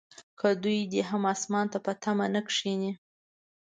خو دوی دې هم اسمان ته په تمه نه کښیني.